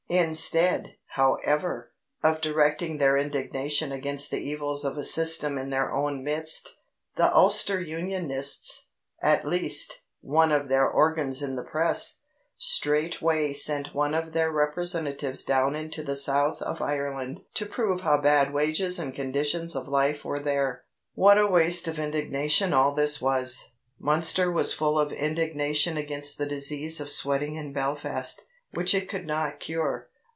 Instead, however, of directing their indignation against the evils of a system in their own midst, the Ulster Unionists at least, one of their organs in the Press straightway sent one of their representatives down into the South of Ireland to prove how bad wages and conditions of life were there. What a waste of indignation all this was! Munster was full of indignation against the disease of sweating in Belfast, which it could not cure.